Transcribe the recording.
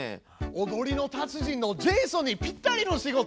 踊りの達人のジェイソンにぴったりの仕事！